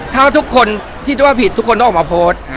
ถ้าทุกคนคิดว่าผิดทุกคนต้องออกมาโพสต์